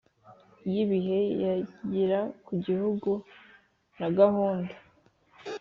y ibihe yagira ku gihugu na gahunda